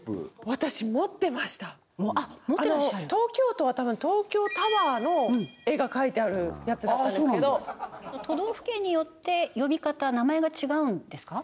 私持ってました東京都はたぶん東京タワーの絵が描いてあるやつだったんですけど都道府県によって呼び方名前が違うんですか？